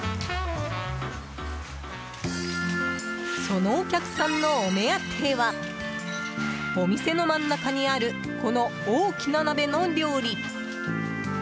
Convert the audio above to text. そのお客さんのお目当てはお店の真ん中にあるこの大きな鍋の料理。